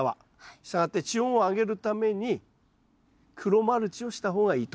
したがって地温を上げるために黒マルチをした方がいいと。